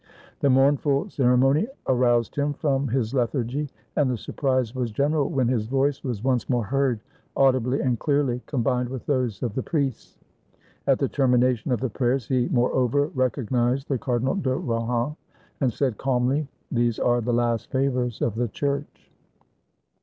The mournful ceremony aroused him from his lethargy, and the surprise was general when his voice was once more heard, audibly and clearly, com bined with those of the priests. At the termination of the prayers he moreover recognized the Cardinal de Rohan, and said calmly, " These are the last favors of the Church."